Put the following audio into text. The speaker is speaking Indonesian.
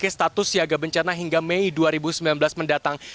status siaga bencana hingga mei dua ribu sembilan belas mendatang